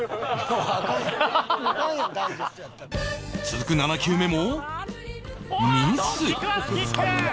続く７球目もミス